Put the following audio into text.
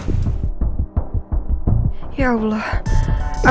aku pikir aku sudah datang